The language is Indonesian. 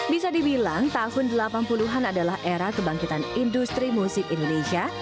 bisa dibilang tahun delapan puluh an adalah era kebangkitan industri musik indonesia